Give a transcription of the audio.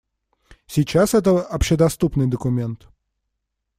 Сейчас это общедоступный документ.